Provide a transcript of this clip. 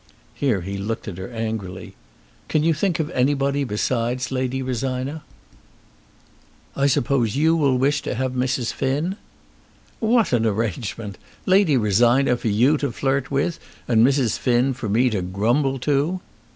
Here he looked at her angrily. "Can you think of anybody besides Lady Rosina?" "I suppose you will wish to have Mrs. Finn?" "What an arrangement! Lady Rosina for you to flirt with, and Mrs. Finn for me to grumble to."